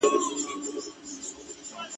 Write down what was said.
تاته به در پاته زما خیالونه زما یادونه وي !.